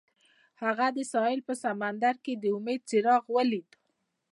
هغه د ساحل په سمندر کې د امید څراغ ولید.